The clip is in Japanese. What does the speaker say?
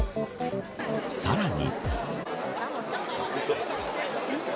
さらに。